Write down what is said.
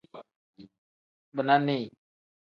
Bina nii.